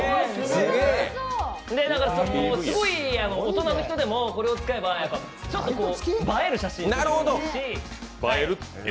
すごい大人の人でもこれを使えばちょっと映える写真も撮れるし。